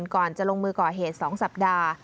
ก่อนจะลงมือก่อเหตุ๒สัปดาห์